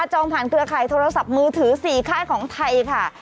จองผ่านเครือข่ายโทรศัพท์มือถือ๔ค่ายของไทยค่ะ